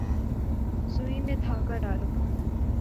سوئی میں دھاگہ ڈالو